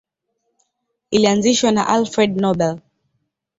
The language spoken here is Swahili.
Ilianzishwa na Alfred Nobel.